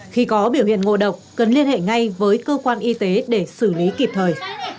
khi có biểu hiện ngộ độc cần liên hệ ngay với cơ quan y tế để xử lý kịp thời